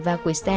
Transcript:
và quỳ xe